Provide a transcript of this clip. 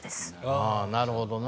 ああなるほどな。